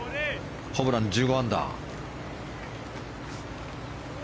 ホブラン、１５アンダー。